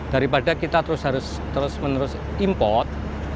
daripada kita terus menerus import